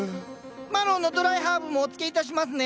マロウのドライハーブもおつけいたしますね。